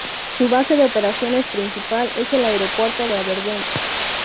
Su base de operaciones principal es el aeropuerto de Aberdeen.